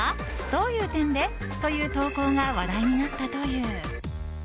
どういう点で？という投稿が話題になったという。